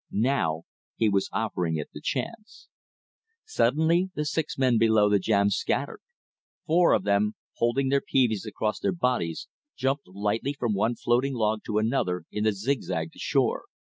Now he was offering it the chance. Suddenly the six men below the jam scattered. Four of them, holding their peaveys across their bodies, jumped lightly from one floating log to another in the zigzag to shore.